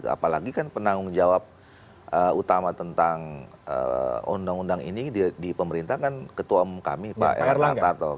apalagi kan penanggung jawab utama tentang undang undang ini di pemerintah kan ketua umum kami pak erlangga tarto